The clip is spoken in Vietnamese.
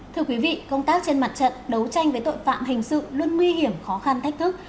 thưa quý vị công tác trên mặt trận đấu tranh với tội phạm hình sự luôn nguy hiểm khó khăn thách thức